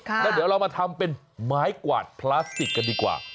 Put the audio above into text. แล้วเดี๋ยวเรามาทำเป็นไม้กวาดพลาสติกกันดีกว่า